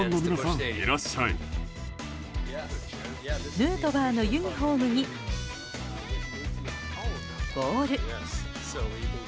ヌートバーのユニホームにボール。